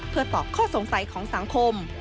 เพื่อตอบข้อสงสัยของสังคม